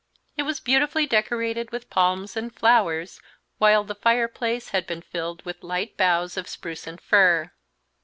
It was beautifully decorated with palms and flowers, while the fireplace had been filled with light boughs of spruce and fir.